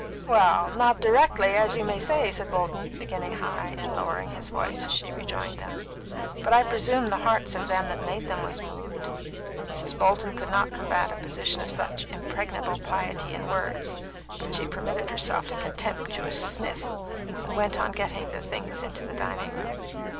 "Well, not directly, as you may say," said Bolton, beginning high, and lowering his voice as she rejoined them, "but I presume the hearts of them that made them was moved." Mrs. Bolton could not combat a position of such unimpregnable piety in words, but she permitted herself a contemptuous sniff, and went on getting the things into the dining room.